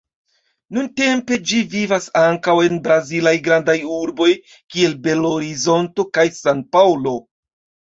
Nuntempe ĝi vivas ankaŭ en brazilaj grandaj urboj, kiel Belo Horizonto kaj San-Paŭlo.